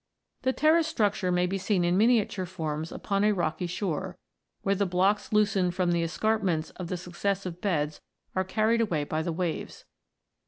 The terrace structure may be seen in miniature forms upon a rocky shore, where the blocks loosened from the escarpments of the successive beds are carried away by the waves.